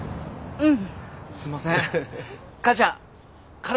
うん。